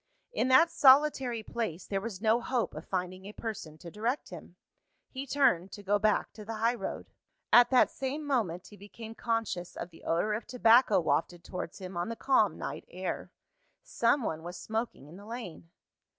In that solitary place, there was no hope of finding a person to direct him. He turned, to go back to the high road. At that same moment, he became conscious of the odour of tobacco wafted towards him on the calm night air. Some one was smoking in the lane.